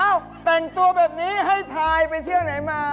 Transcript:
แต่งตัวแบบนี้ให้ทายไปเที่ยวไหนมา